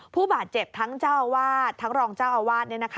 ผู้บาดเจ็บทั้งเจ้าอาวาสทั้งรองเจ้าอาวาส